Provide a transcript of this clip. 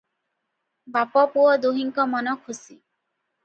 ବାପା ପୁଅ ଦୁହିଁଙ୍କ ମନ ଖୁସି ।